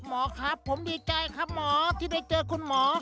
หมอครับผมดีใจครับหมอที่ได้เจอคุณหมอ